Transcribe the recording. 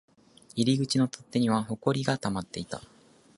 入り口の取っ手には埃が溜まっていた